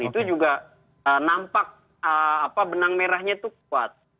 itu juga nampak benang merahnya itu kuat